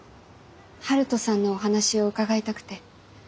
晴登さんのお話を伺いたくて。